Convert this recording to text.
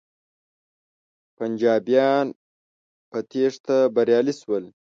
پنجابیان په تیښته بریالی شول.